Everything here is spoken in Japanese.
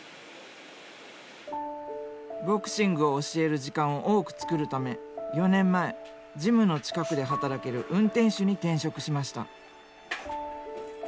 ボクシングを教える時間を多く作るため４年前ジムの近くで働ける運転手に転職しました。